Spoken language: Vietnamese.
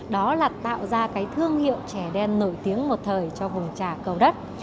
đó là tạo ra cái thương hiệu trà đen nổi tiếng một thời cho vùng trà cầu đất